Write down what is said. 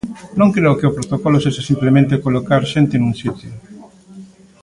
Non creo que o protocolo sexa simplemente colocar xente nun sitio.